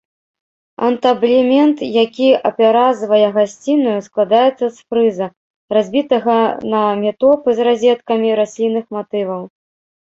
Антаблемент, які апяразвае гасціную, складаецца з фрыза, разбітага на метопы з разеткамі раслінных матываў.